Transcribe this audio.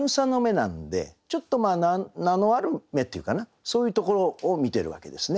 なんでちょっと名のある芽っていうかなそういうところを見てるわけですね。